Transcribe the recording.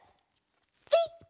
ピッ！